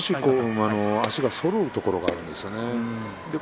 少し足がそろうところがあるんですよね。